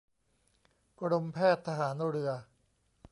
กรมแพทย์ทหารเรือ